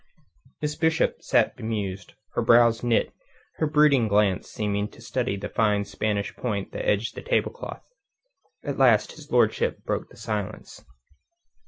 Miss Bishop sat bemused, her brows knit, her brooding glance seeming to study the fine Spanish point that edged the tablecloth. At last his lordship broke the silence.